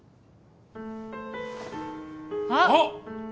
あっ！